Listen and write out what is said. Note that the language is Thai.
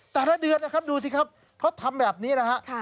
แต่ละเดือนนะครับดูสิครับเขาทำแบบนี้นะฮะ